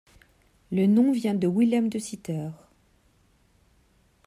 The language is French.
Le nom vient de Willem de Sitter.